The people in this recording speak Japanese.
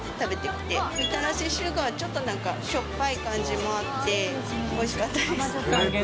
みたらしシュガー、ちょっとしょっぱい感じもあって、おいしかったです。